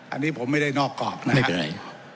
อันนี้ผมไม่ได้นอกกอกนะคะไม่เป็นไร